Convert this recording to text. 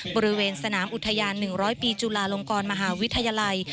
บริเวณสนามอุทยาน๑๐๐ปีจุลาลงกรมหาวิทยาลัย